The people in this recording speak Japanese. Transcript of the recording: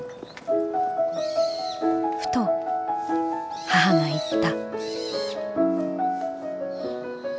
ふと母が言った」。